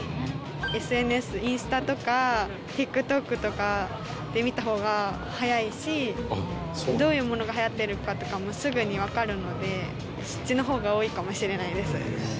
ＳＮＳインスタとかＴｉｋＴｏｋとかで見た方が早いしどういうものが流行ってるかとかもすぐにわかるのでそっちの方が多いかもしれないです。